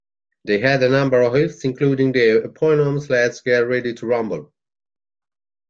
They had a number of hits including the eponymous Let's Get Ready to Rhumble.